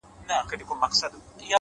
• مخا مخ ورته چا نه سو ورکتلای,